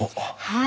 はい。